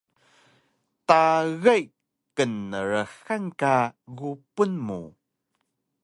Tagay knrxan ka gupun mu